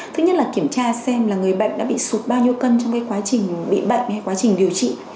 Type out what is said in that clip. thứ nhất là kiểm tra xem là người bệnh đã bị sụt bao nhiêu cân trong quá trình bị bệnh hay quá trình điều trị